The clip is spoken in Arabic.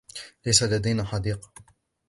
ليس لدينا حديقة.